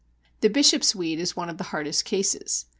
The Bishopsweed is one of the hardest cases.